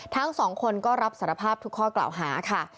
ทั้งสองคนก็รับสารภาพทุกข้อกล่าวหาค่ะ